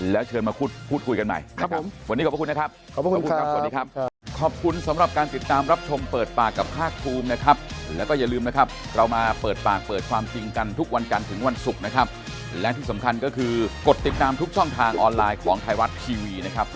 แล้วเชิญมาพูดคุยกันใหม่นะครับวันนี้ขอบคุณนะครับ